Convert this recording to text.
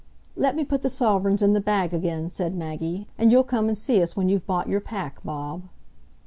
"Let me put the sovereigns in the bag again," said Maggie; "and you'll come and see us when you've bought your pack, Bob."